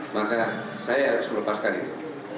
maka saya harus melepaskan itu